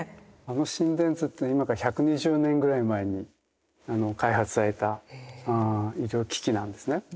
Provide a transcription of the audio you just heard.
あの心電図って今から１２０年ぐらい前に開発された医療機器なんですね。